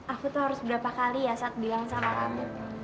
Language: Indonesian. aku tuh harus berapa kali ya saat bilang sama aku